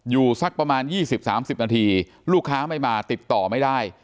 สักประมาณ๒๐๓๐นาทีลูกค้าไม่มาติดต่อไม่ได้